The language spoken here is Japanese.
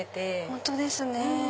本当ですね。